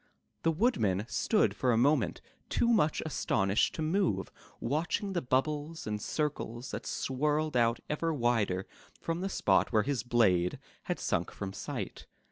The Woodman stood for a moment too much aston ished to move, watching the bubbles and circles that swirled out ever wider from the spot where his blade had sunk from sight.